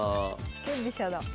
四間飛車だ。